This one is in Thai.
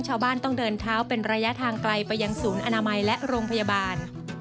ชาวบ้านต้องเดินเท้าเป็นระยะทางไกลไปยังศูนย์อนามัยและโรงพยาบาล